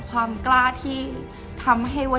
จนดิวไม่แน่ใจว่าความรักที่ดิวได้รักมันคืออะไร